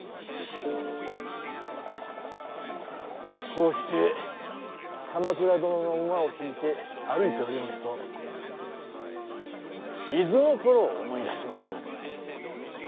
こうして鎌倉殿の馬を引いて歩いておりますと伊豆の頃を思い出します。